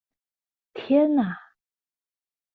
天啊！